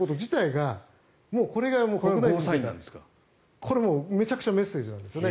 これ、めちゃくちゃメッセージなんです。